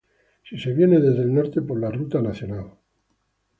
Si se viene desde el norte por la Ruta Nac.